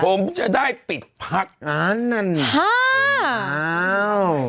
ผมจะได้ปิดพักอ๋อนั่นฮ่า